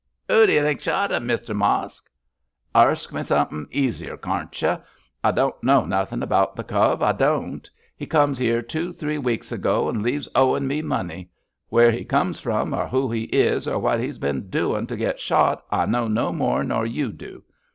'Oo d'y think shot 'im, Mr Mosk?' 'Arsk me sum'thin' easier, carn't you? I don't know nothin' about the cove, I don't; he comes 'ere two, three weeks ago, and leaves owin' me money. Where he comes from, or who he is, or what he's bin doin' to get shot I know no more nor you do.